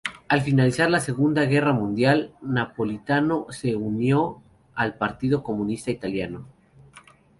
Al finalizar la Segunda Guerra Mundial, Napolitano se unió al Partido Comunista Italiano.